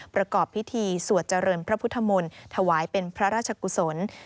ประกอบพิธีสวดเจริญพระพุทธมนตร์ถวายเป็นพระราชกุศล